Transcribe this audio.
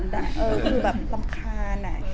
คือแบบรำคาญ